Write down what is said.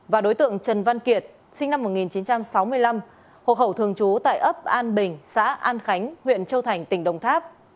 và đối tượng trần văn kiệt sinh năm một nghìn chín trăm sáu mươi năm hộ khẩu thường trú tại ấp an bình xã an khánh huyện châu thành tỉnh đồng tháp